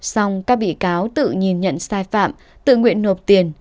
sau đó các bị cáo tự nhìn nhận sai phạm tự nguyện nộp tiền